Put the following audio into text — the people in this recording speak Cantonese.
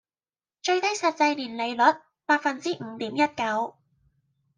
最低實際年利率︰百分之五點一九